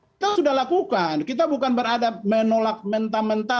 kita sudah lakukan kita bukan beradab menolak mentah mentah